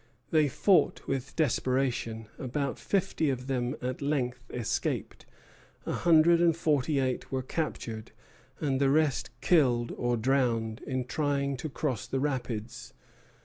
They fought with desperation. About fifty of them at length escaped; a hundred and forty eight were captured, and the rest killed or drowned in trying to cross the rapids.